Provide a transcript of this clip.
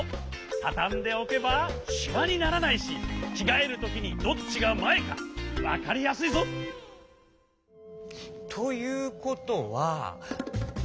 たたんでおけばシワにならないしきがえるときにどっちがまえかわかりやすいぞ！ということは。